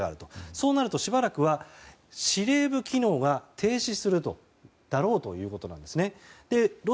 そうなると、しばらくは司令部機能が停止するだろうということですね。